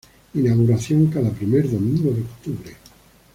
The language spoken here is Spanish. Inauguración cada primer domingo de octubre.